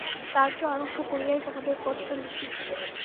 কার্য আরম্ভ করিয়াই তোমাদের পত্র লিখিব।